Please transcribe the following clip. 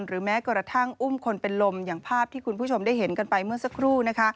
แม้กระทั่งอุ้มคนเป็นลมอย่างภาพที่คุณผู้ชมได้เห็นกันไปเมื่อสักครู่นะคะ